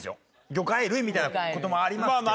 「魚介類」みたいな事もありますけど。